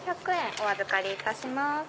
お預かりいたします。